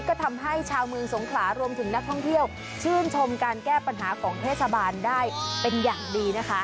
ก็ทำให้ชาวเมืองสงขลารวมถึงนักท่องเที่ยวชื่นชมการแก้ปัญหาของเทศบาลได้เป็นอย่างดีนะคะ